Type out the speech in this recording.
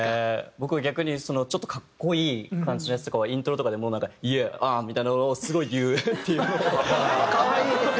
僕は逆にちょっと格好いい感じのやつとかはイントロとかでもうなんか「Ｙｅａｈａｈ」みたいなのをすごい言うっていうのを。